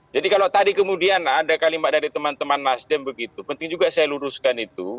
jadi kalau tadi kemudian ada kalimat dari teman teman nasdem begitu penting juga saya luruskan itu